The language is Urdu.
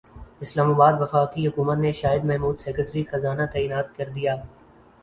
اسلام اباد وفاقی حکومت نے شاہد محمود سیکریٹری خزانہ تعینات کردیا